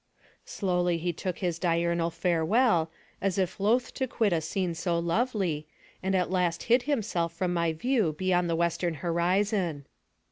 Slowly he took his diurnal farewell, as if loth to quit a scene so lovely, and at last hid himself from my view beyond the western horizon.